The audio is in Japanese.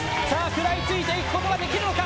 食らいついていくことはできるか。